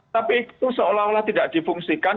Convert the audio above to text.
tapi itu seolah olah tidak difungsikan